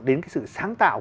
đến cái sự sáng tạo